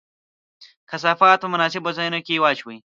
کثافات په مناسبو ځایونو کې واچوئ.